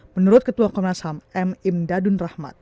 menurut ketua komnas ham m imdadun rahmat